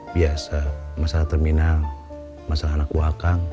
biasa masalah terminal masalah anak buah kang